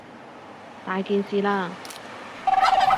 大件事喇！